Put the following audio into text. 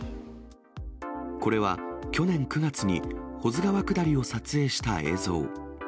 これは、去年９月に保津川下りを撮影した映像。